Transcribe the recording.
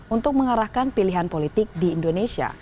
untuk mengarahkan pilihan politik di indonesia